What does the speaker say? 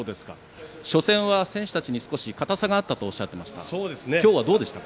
初戦は選手たちに少し硬さがあったとおっしゃっていましたが今日は、どうでしたか？